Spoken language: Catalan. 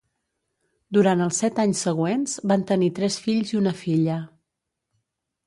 Durant els set anys següents, van tenir tres fills i una filla.